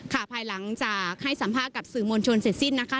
ภายหลังจากให้สัมภาษณ์กับสื่อมวลชนเสร็จสิ้นนะคะ